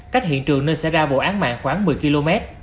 cách hiện trường nơi xảy ra vụ án mạng khoảng một mươi km